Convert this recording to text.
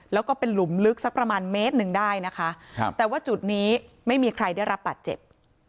แล้วก็เป็นหลุมลึกสักประมาณเมตรหนึ่งได้นะคะครับแต่ว่าจุดนี้ไม่มีใครได้รับบาดเจ็บ